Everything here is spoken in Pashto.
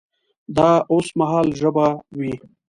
د اوس مهال ژبه وي